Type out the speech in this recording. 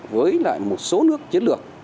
với lại một số nước chiến lược